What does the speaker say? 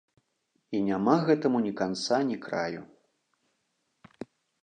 І няма гэтаму ні канца ні краю.